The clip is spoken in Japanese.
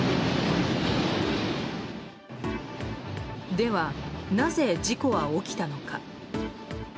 では、なぜ事故は起きたのか。